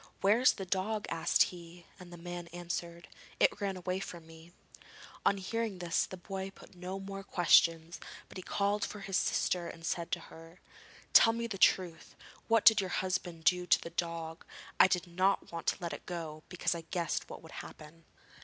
'Where is the dog?' asked he, and the man answered: 'It ran away from me.' On hearing this the boy put no more questions, but he called his sister and said to her: 'Tell me the truth. What did your husband do to the dog? I did not want to let it go, because I guessed what would happen.'